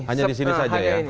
hanya disini saja ya